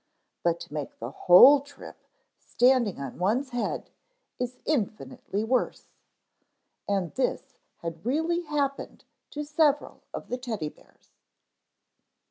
But to make the whole trip standing on one's head is infinitely worse. And this had really happened to several of the Teddy bears.